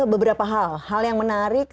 beberapa hal hal yang menarik